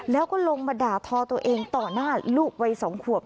แล้วก็ลงมาด่าทอตัวเองต่อหน้าลูกวัย๒ขวบ